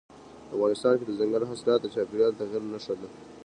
افغانستان کې دځنګل حاصلات د چاپېریال د تغیر نښه ده.